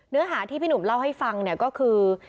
เนื้อหาที่พี่หนุ่มเล่าให้ฟังเนี่ยก็คือ